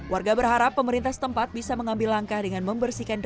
warga berharap pemerintah setempat bisa mengambil langkah dengan membersihkan